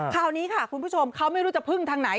คราวนี้ค่ะคุณผู้ชมเขาไม่รู้จะพึ่งทางไหน